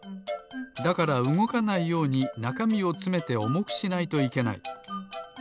だからうごかないようになかみをつめておもくしないといけない。